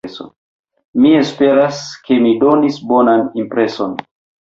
Mi esperas, ke mi donis bonan impreson.